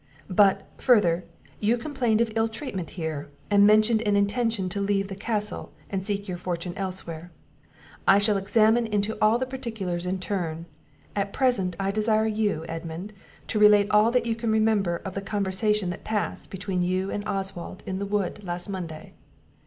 But, further, you complained of ill treatment here; and mentioned an intention to leave the castle, and seek your fortune elsewhere. I shall examine into all these particulars in turn. At present I desire you, Edmund, to relate all that you can remember of the conversation that passed between you and Oswald in the wood last Monday."